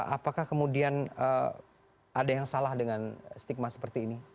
apakah kemudian ada yang salah dengan stigma seperti ini